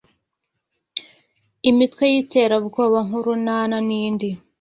imitwe y’iterabwoba nk’Urunana nindi